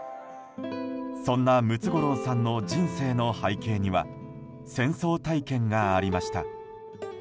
そんなムツゴロウさんの人生の背景には戦争体験がありました。